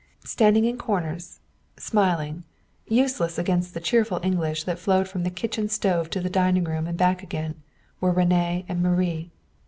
Standing in corners, smiling, useless against the cheerful English that flowed from the kitchen stove to the dining room and back again, were René and Marie.